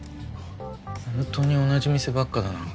本当に同じ店ばっかだな。